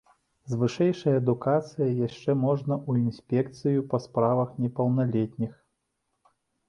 З вышэйшай адукацыяй яшчэ можна ў інспекцыю па справах непаўналетніх.